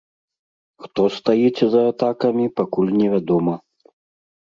Хто стаіць за атакамі, пакуль невядома.